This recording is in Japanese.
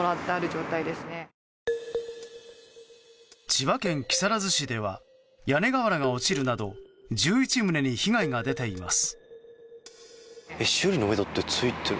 千葉県木更津市では屋根瓦が落ちるなど１１棟に被害が出ています。